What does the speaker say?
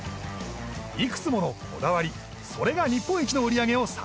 いくつものこだわりそれが日本一の売り上げを支えているのです